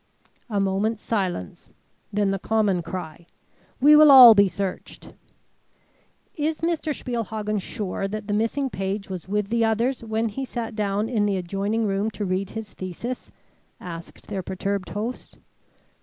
A moment's silence, then the common cry: "We will all be searched." "Is Mr. Spielhagen sure that the missing page was with the others when he sat down in the adjoining room to read his thesis?" asked their perturbed host.